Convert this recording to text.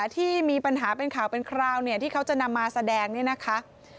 ที่มีปัญหาเป็นข่าวเป็นคราวเนี่ยที่เขาจะนำมาแสดงเนี่ยนะคะ